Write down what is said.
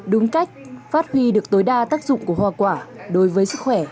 đúng cách phát huy được tối đa tác dụng của hoa quả đối với sức khỏe tọa tham